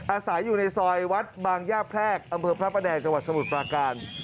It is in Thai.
อาศัยอยู่ในซอยวัดบางย่าแพรกอำเภอพระประแดงจังหวัดสมุทรปราการ